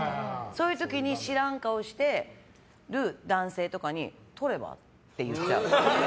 そういう時に知らん顔してる男性とかに取れば？って言っちゃう。